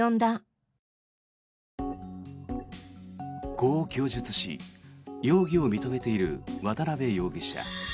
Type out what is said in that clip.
こう供述し容疑を認めている渡邊容疑者。